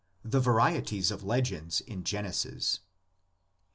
THE VARIETIES OF LEGENDS IN GENESIS.